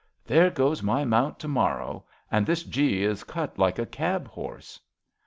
There goes my mount to morrow, and this gee is cut like a cab horse."